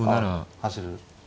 走る。